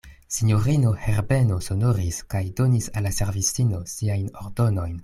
Sinjorino Herbeno sonoris, kaj donis al la servistino siajn ordonojn.